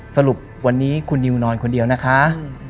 สรุปวันนี้คุณนิวนอนคนเดียวนะคะ